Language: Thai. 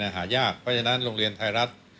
หายากเพราะฉะนั้นโรงเรียนไทยรัฐ